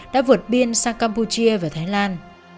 đã vượt biên sang campuchia và thái lan